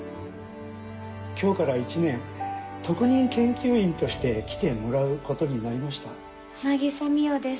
今日から１年特任研究員として来てもらうことになりました渚海音です